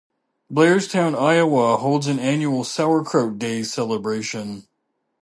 Blairstown Iowa holds an annual "Sauerkraut Days" celebration.